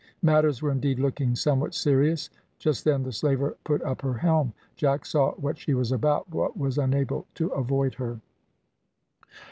Matters were indeed looking somewhat serious. Just then the slaver put up her helm; Jack saw what she was about, but was unable to avoid her.